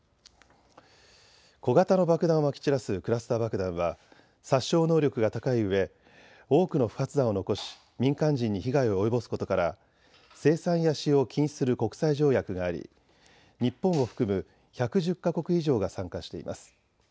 小型の爆弾をまき散らすクラスター爆弾は殺傷能力が高いうえ多くの不発弾を残し民間人に被害を及ぼすことから生産や使用を禁止する国際条約があり日本を含む１１０か国以上が参加しています。